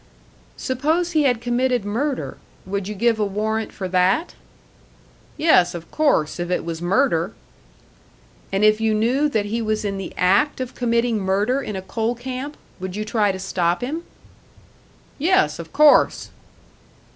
"Suppose he had committed murder would you give a warrant for that?" "Yes, of course, if it was murder." "And if you knew that he was in the act of committing murder in a coal camp would you try to stop him?" "Yes, of course."